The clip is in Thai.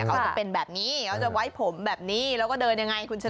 เขาจะเป็นแบบนี้เขาจะไว้ผมแบบนี้แล้วก็เดินยังไงคุณชนะ